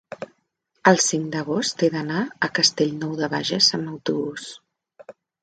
el cinc d'agost he d'anar a Castellnou de Bages amb autobús.